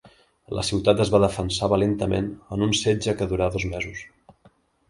La ciutat es va defensar valentament en un setge que durà dos mesos.